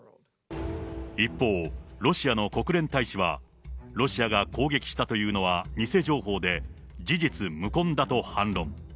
一方、ロシアの国連大使は、ロシアが攻撃したというのは偽情報で、事実無根だと反論。